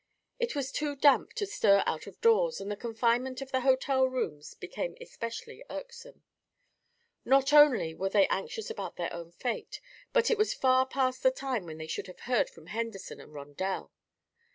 It was too damp to stir out of doors and the confinement of the hotel rooms became especially irksome. Not only were they anxious about their own fate but it was far past the time when they should have heard from Henderson and Rondel.